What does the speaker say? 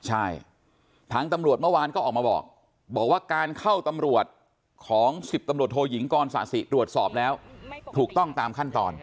ใช่ทางตำรวจเมื่อวานก็ออกมาบอกบอกว่าการเข้าตำรวจของ๑๐ตำรวจโทยิงกรสะสิตรวจสอบแล้วถูกต้องตามขั้นตอน